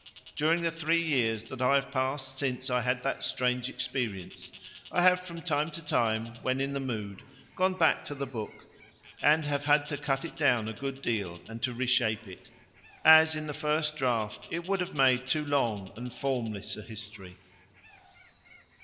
During the three years that have passed since I had that strange experience, I have from time to time, when in the mood, gone back to the book and have had to cut it down a good deal and to reshape it, as in the first draft it would have made too long and formless a history.